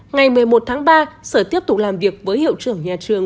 ngày một mươi một tháng ba sở tiếp tục làm việc với hiệu trưởng nhà trường